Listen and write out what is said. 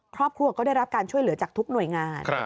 ครอบครัวก็ได้รับการช่วยเหลือจากทุกหน่วยงาน